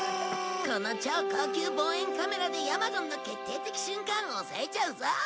この超高級望遠カメラでヤマゴンの決定的瞬間を押さえちゃうぞ！